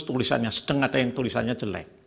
tulisannya sedang ada yang tulisannya jelek